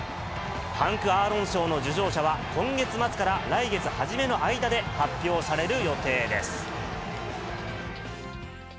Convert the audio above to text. ハンク・アーロン賞の受賞者は、今月末から来月初めの間で発表される予定です。